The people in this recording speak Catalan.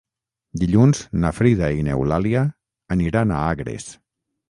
Dilluns na Frida i n'Eulàlia aniran a Agres.